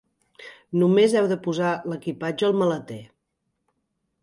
Només heu de posar l'equipatge al maleter